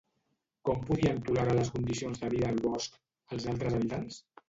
Com podien tolerar les condicions de vida al bosc, els altres habitants?